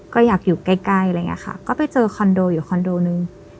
ก็อยากอยู่ใกล้อะไรอย่างนี้ค่ะก็ไปเจอคอนโดอยู่คอนโดนึง